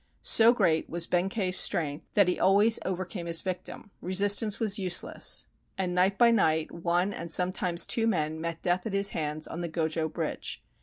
So great was Ben kei's strength that he always overcame his victim, — resistance was useless, — and night by night one and sometimes two men met death at his hands on the Gojo Bridge.